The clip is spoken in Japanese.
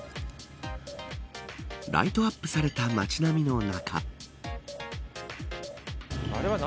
ライトアップされた街並みの中。